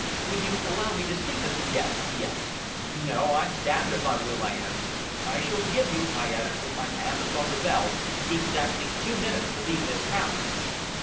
"Will you allow me to see Mr. Guest?" he asked. "No! I'm d d if I will," I answered. "I shall give you," I added, with my hand upon the bell, "exactly two minutes to leave this house."